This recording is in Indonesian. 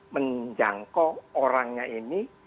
menjangkau orangnya ini